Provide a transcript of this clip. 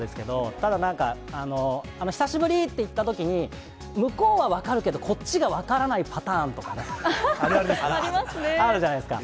ただなんか、久しぶりって言ったときに、向こうは分かるけど、こっちが分からないパターンとかあるあるですね。